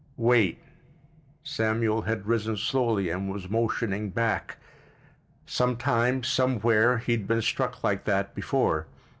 "Wait!" Samuel had risen slowly and was motioning back. Some time, somewhere, he had been struck like that before.